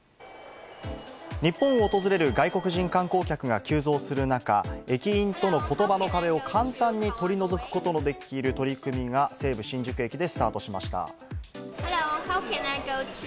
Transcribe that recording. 日本を訪れる外国人観光客が急増する中、駅員との言葉の壁を簡単に取り除くことのできる取り組みが西武新宿駅でスタートしました。